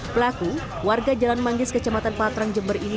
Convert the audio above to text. pelaku warga jalan manggis kecamatan patrang jember ini